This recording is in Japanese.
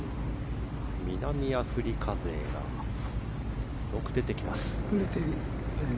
南アフリカ勢がよく出てきます。